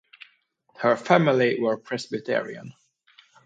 Her family were Presbyterian.